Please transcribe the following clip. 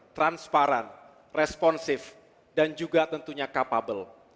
transparan responsif dan juga tentunya capable